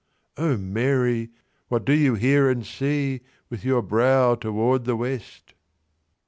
O Mary, what do you hear and see With your brow toward the West?